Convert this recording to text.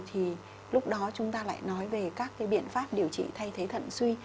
thì lúc đó chúng ta lại nói về các biện pháp điều trị thay thế thận suy